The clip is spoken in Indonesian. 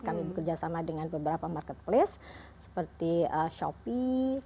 kami bekerja sama dengan beberapa marketplace seperti shopee